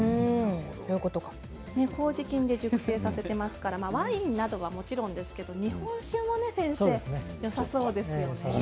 こうじ菌で熟成させていますからワインなどはもちろん日本酒もよさそうですね。